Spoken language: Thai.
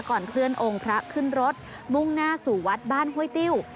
เคลื่อนองค์พระขึ้นรถมุ่งหน้าสู่วัดบ้านห้วยติ้ว